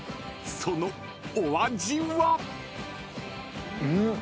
［そのお味は？］